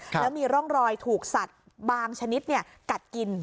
แล้วมีร่องรอยถูกสัดบางชนิดเนี่ยกัดกิน